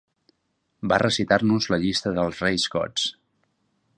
Va recitar-nos la llista dels reis gots.